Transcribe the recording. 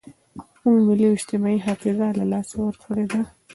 موږ ملي او اجتماعي حافظه له لاسه ورکړې ده.